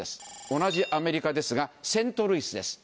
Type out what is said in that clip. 同じアメリカですがセントルイスです。